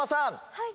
はい。